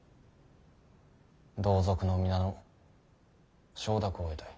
同族の皆の承諾を得たい。